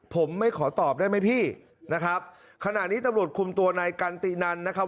ผมไม่ขอตอบได้ไหมพี่นะครับขณะนี้ตำรวจคุมตัวนายกันตินันนะครับ